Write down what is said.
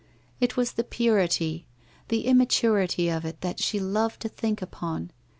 It was the purity — the immaturity of it that she loved to think upon.